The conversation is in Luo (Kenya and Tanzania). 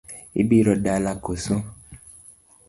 Ibiro dalana koso?